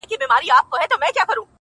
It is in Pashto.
هغه شپه مي ټوله سندريزه وه.